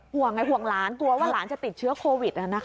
ห่วงไงห่วงหลานตัวว่าหลานจะติดเชื้อโควิดนะครับ